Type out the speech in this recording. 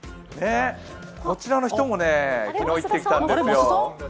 こちらの人もね、昨日、行ってきたんですよ。